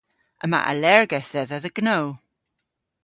Yma allergedh dhedha dhe gnow.